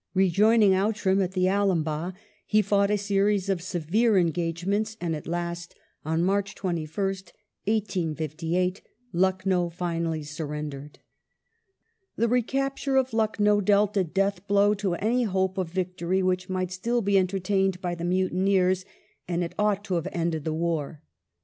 Rejoining Outram at the Alambagh, he fought a series of severe engagements, and at last, on March 21st, 1858, Lucknow finally surrendered. The recapture of Lucknow dealt a death blow to any hope of victory which might still be entertained by the mutineers, and it ought to have ended the war.